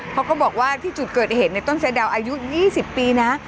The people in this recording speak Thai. เขาก็บอกว่าที่จุดเกิดเหตุในต้นสะดาวอายุ๒๐ปีนะ